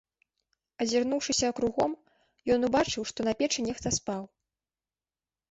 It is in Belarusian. Азірнуўшыся кругом, ён убачыў, што на печы нехта спаў.